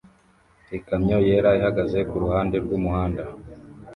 Ikamyo yera ihagaze kuruhande rwumuhanda